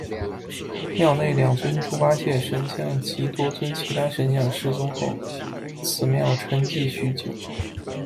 庙内两尊猪八戒神像及多尊其他神像失踪后，此庙沈寂许久。